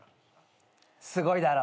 すごいだろ。